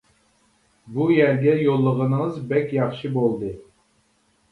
بۇ يەرگە يوللىغىنىڭىز بەك ياخشى بولدى.